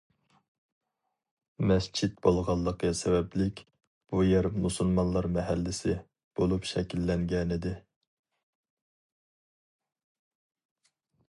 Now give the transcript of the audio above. مەسچىت بولغانلىقى سەۋەبلىك، بۇ يەر «مۇسۇلمانلار مەھەللىسى» بولۇپ شەكىللەنگەنىدى.